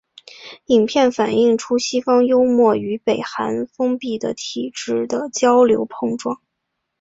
影片反映出西方幽默与北韩封闭的体制的交流碰撞。